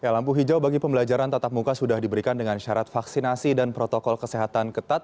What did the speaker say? lampu hijau bagi pembelajaran tatap muka sudah diberikan dengan syarat vaksinasi dan protokol kesehatan ketat